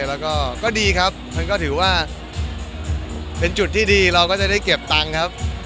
แล้วก็ดีครับมันก็ถือว่าเป็นจุดที่ดีเราก็จะได้เก็บตังค์ครับ